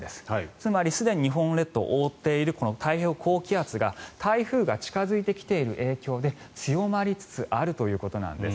つまり、すでに日本列島を覆っている太平洋高気圧が台風が近付いてきている影響で強まりつつあるということなんです。